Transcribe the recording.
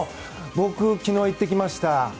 僕、昨日行ってきました。